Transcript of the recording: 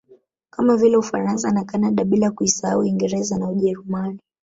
Kama vile Ufaransa na Canada bila kuisahau Uingereza na Ujerumani